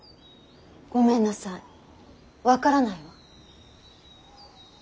ごめんなさい分からないわ。